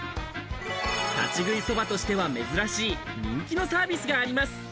立ち食いそばとしては珍しい人気のサービスがあります。